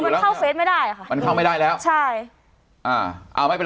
มันเข้าเฟสไม่ได้อ่ะค่ะมันเข้าไม่ได้แล้วใช่อ่าเอาไม่เป็นไร